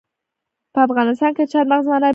په افغانستان کې د چار مغز منابع شته.